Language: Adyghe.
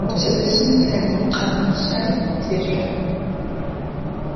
Пчэдыжьым тэ къалмыкъщай тешъо.